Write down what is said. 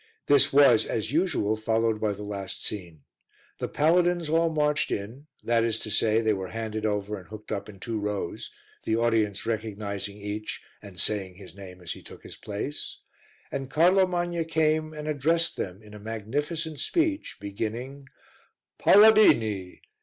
This was, as usual, followed by the last scene. The paladins all marched in that is to say, they were handed over and hooked up in two rows, the audience recognizing each, and saying his name as he took his place, and Carlo Magna came and addressed them in a magnificent speech beginning "Paladini!